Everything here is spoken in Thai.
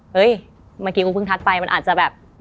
เมื่อกี้กูเพิ่งทักไปมันอาจจะแบบ